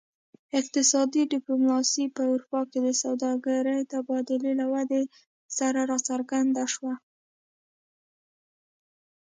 اقتصادي ډیپلوماسي په اروپا کې د سوداګرۍ تبادلې له ودې سره راڅرګنده شوه